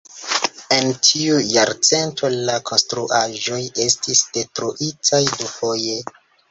En tiu jarcento la konstruaĵoj estis detruitaj dufoje.